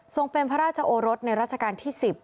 เป็นพระราชโอรสในราชการที่๑๐